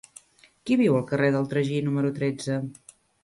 Qui viu al carrer del Tragí número tretze?